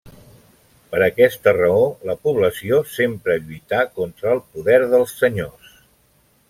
Per aquesta raó la població sempre lluità contra el poder dels senyors.